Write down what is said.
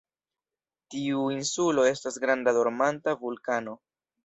Tiu insulo estas granda dormanta vulkano.